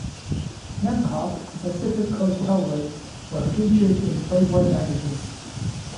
Nemcoff and Pacific Coast Hellway were featured in "Playboy Magazine".